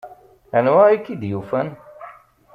Anwa i k-id-yufan?